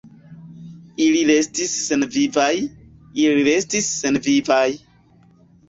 Ili estis senvivaj, ili restis senvivaj!